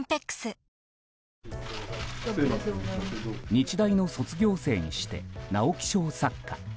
日大の卒業生にして直木賞作家。